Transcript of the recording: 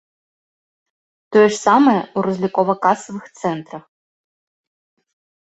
Тое ж самае ў разлікова-касавых цэнтрах.